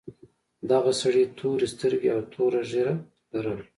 دغه سړي تورې سترګې او تور ږیره لرله.